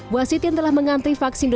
wasit yang telah mengantri vaksin dosennya